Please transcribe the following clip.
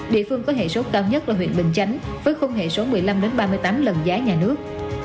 địa phương có hệ số cao nhất là huyện bình chánh với công nghệ số một mươi năm ba mươi tám lần giá nhà nước